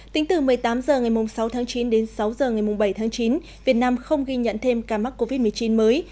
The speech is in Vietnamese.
tính từ một mươi tám h ngày sáu tháng chín đến sáu h ngày bảy tháng chín việt nam không ghi nhận thêm ca mắc covid một mươi chín mới